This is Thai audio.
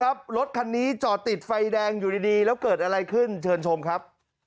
รถคันนี้จอดติดไฟแดงอยู่ดีแล้วเกิดอะไรขึ้นเชิญชมครับ